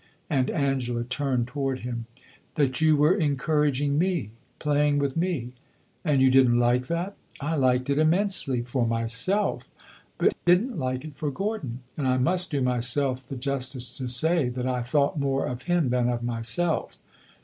and Angela turned toward him. "That you were encouraging me playing with me." "And you did n't like that?" "I liked it immensely for myself! But did n't like it for Gordon; and I must do myself the justice to say that I thought more of him than of myself."